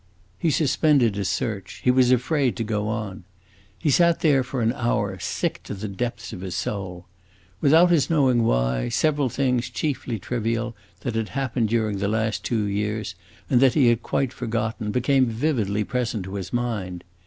He suspended his search; he was afraid to go on. He sat there for an hour, sick to the depths of his soul. Without his knowing why, several things, chiefly trivial, that had happened during the last two years and that he had quite forgotten, became vividly present to his mind.